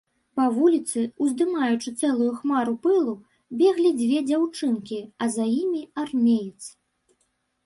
Па вуліцы, уздымаючы цэлую хмару пылу, беглі дзве дзяўчынкі, а за імі армеец.